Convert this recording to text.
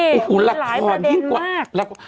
มีหลายประเด็นมาก